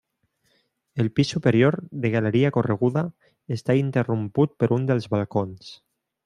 El pis superior, de galeria correguda, està interromput per un dels balcons.